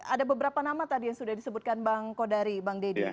ada beberapa nama tadi yang sudah disebutkan bang kodari bang deddy